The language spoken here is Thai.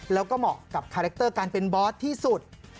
แล้วก็เหมาะกับคาแรคเตอร์การเป็นบอสที่สุด